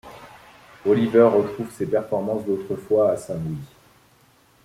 Oliver retrouve ses performances d'autrefois à Saint-Louis.